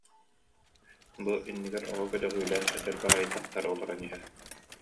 Бу иннигэр оҕо көтөҕүүлээх эдэр баҕайы дьахтар олорон иһэр